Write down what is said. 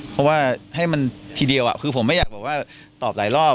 เพราะว่าให้มันทีเดียวคือผมไม่อยากบอกว่าตอบหลายรอบ